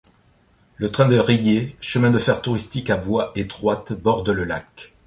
Le train de Rillé, chemin de fer touristique à voie étroite, borde le lac.